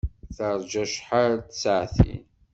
Teṛja acḥal n tsaɛtin.